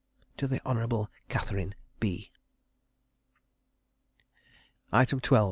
"To the Honourable Catherine B." 12.